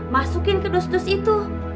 masukin ke dus dus itu